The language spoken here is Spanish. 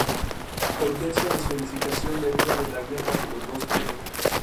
La urgencia de su edificación derivaba de la Guerra de los dos Pedros.